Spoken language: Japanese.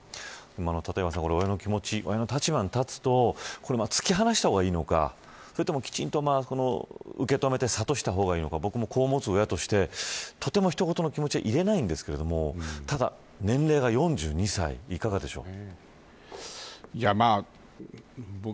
立岩さん親の気持ち、親の立場に立つと突き放した方がいいのかそれとも、きちんと受けとめて諭した方がいいのか僕も子を持つ親としてとても他人事な気持ちでいられないんですけどただ、年齢が４２歳いかがでしょう。